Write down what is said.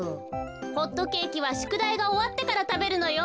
ホットケーキはしゅくだいがおわってからたべるのよ。